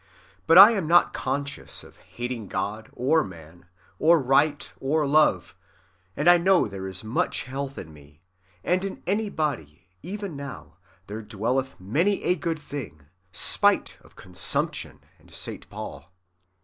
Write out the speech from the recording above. But I am not conscious of hating God, or man, or right, or love, and I know there is much 'health in me'; and in my body, even now, there dwelleth many a good thing, spite of consumption and Saint Paul."